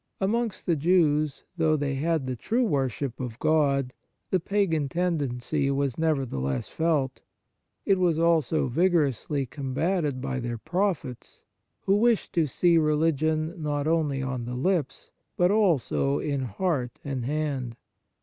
Amongst the Jews, though they had the true worship of God, the pagan tendency was nevertheless felt. It was also vigorously combated by their prophets, who wished to see religion not only on the lips, but also in heart and hand.